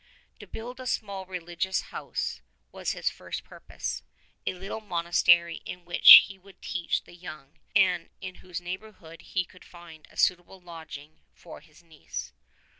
107 To build a small religious house was his first purpose, a little monastery in which he would teach the young, and in whose neighborhood he could find a suitable lodging for his niece.